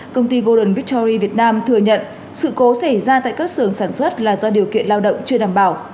công ty golden victory việt nam thừa nhận sự cố xảy ra tại các xưởng sản xuất là do điều kiện lao động chưa đảm bảo